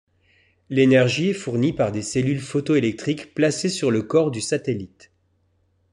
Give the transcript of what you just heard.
L'énergie est fournie par des cellules photoélectriques placées sur le corps du satellite.